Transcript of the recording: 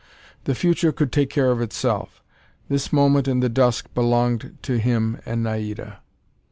The future could take care of itself. This moment in the dusk belonged to him and Naida.